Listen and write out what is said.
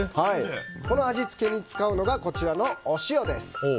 この味付けに使うのがお塩です！